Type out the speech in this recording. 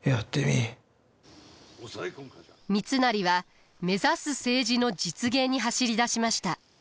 三成は目指す政治の実現に走りだしました。